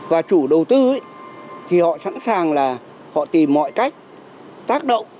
và chủ đầu tư thì họ sẵn sàng là họ tìm mọi cách tác động